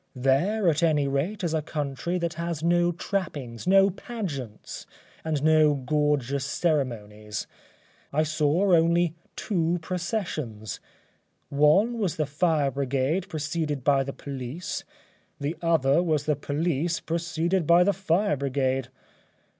There at any rate is a country that has no trappings, no pageants and no gorgeous ceremonies. I saw only two processions one was the Fire Brigade preceded by the Police, the other was the Police preceded by the Fire Brigade.